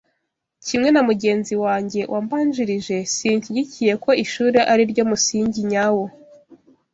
Kimwe na mugenzi wange wambanjirije sinshyigikiye ko ishuri ari ryo musingi nyawo